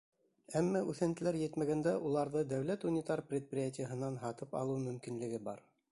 Әммә үҫентеләр етмәгәндә уларҙы дәүләт унитар предприятиеларынан һатып алыу мөмкинлеге бар.